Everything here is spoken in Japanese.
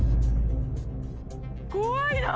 怖いなぁ！